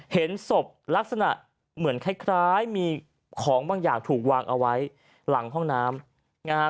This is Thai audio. เห็นศพลักษณะเหมือนคล้ายมีของบางอย่างถูกวางเอาไว้หลังห้องน้ำนะฮะ